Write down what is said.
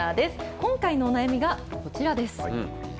今回のお悩みがこちらです。